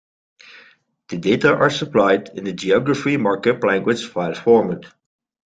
The data are supplied in Geography Markup Language file format.